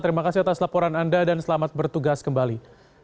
terima kasih atas laporan anda dan selamat bertugas kembali